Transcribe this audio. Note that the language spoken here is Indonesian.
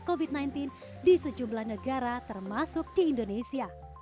covid sembilan belas di sejumlah negara termasuk di indonesia